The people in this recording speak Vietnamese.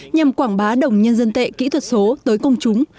nhằm quảng bá đồng nhân dân tệ kỹ thuật số tới công chúng